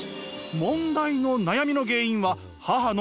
問題の悩みの原因は母の禁断の恋。